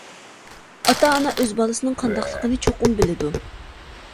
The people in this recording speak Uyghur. ئاتا-ئانا ئۆز بالىسىنىڭ قانداقلىقىنى چوقۇم بىلىدۇ.